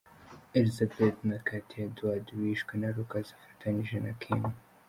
Elisabeth na Katie Edwards bishwe na Lucas afatanije na Kim.